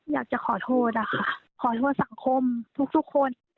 อยากจะขอโทษนะคะขอโทษสังคมทุกคน